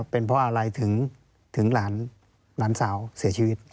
เป็นเพราะอะไรถึงหลานสาวเสียชีวิต